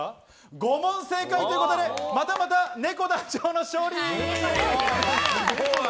５問正解ということで、またまたねこ団長の勝利。